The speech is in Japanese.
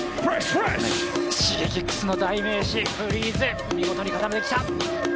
Ｓｈｉｇｅｋｉｘの代名詞フリーズ、見事に固めてきた。